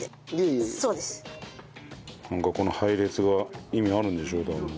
なんかこの配列が意味あるんでしょうから。